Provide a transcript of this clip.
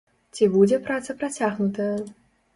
Ці будзе праца працягнутая?